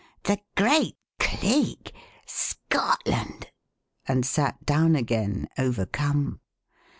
the great Cleek? Scotland!" And sat down again, overcome.